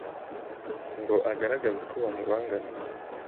ngo agaragaze ko bamubangamiye!